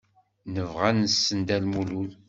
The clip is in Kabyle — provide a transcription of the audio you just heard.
Nebɣa ad nessen Dda Lmulud.